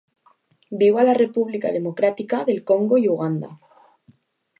Viu a la República Democràtica del Congo i Uganda.